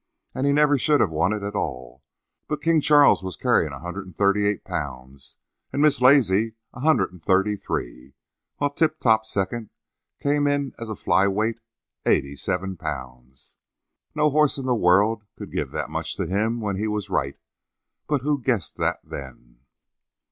And he never should have won it at all, but King Charles was carrying a hundred and thirty eight pounds, and Miss Lazy a hundred and thirty three, while Tip Top Second came in as a fly weight eighty seven pounds! No horse in the world could give that much to him when he was right, but who guessed that then?